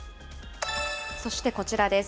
そしてこちらです。